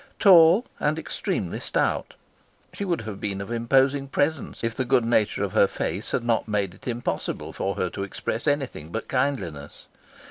Tall and extremely stout, she would have been of imposing presence if the great good nature of her face had not made it impossible for her to express anything but kindliness.